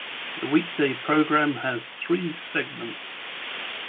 The weekday program has three segments.